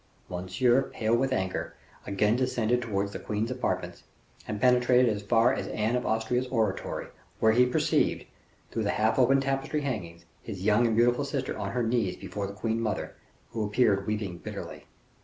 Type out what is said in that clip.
Monsieur, pale with anger, again descended towards the queen's apartments, and penetrated as far as Anne of Austria's oratory, where he perceived, through the half opened tapestry hangings, his young and beautiful sister on her knees before the queen mother, who appeared weeping bitterly.